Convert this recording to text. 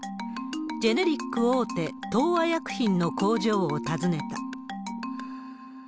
ジェネリック大手、東和薬品の工場を訪ねた。